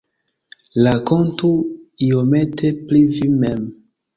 Rakontu iomete pri vi mem.